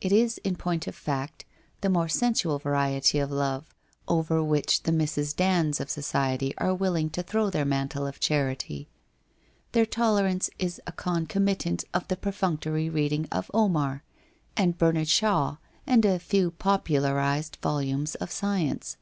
It is, in point of fact, the more sensual variety of love over which the Mrs. Dands of so ciety are willing to throw their mantle of charity. Their tolerance is a concomitant of the perfunctory reading of Omar, and Bernard Shaw and a few popularized volumes of science.